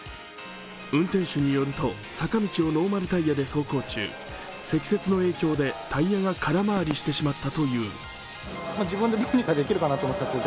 運転手によると、坂道をノーマルタイヤで走行中積雪の影響で、タイヤが空回りしてしまったという。